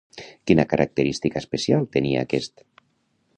Quina característica especial tenia aquest?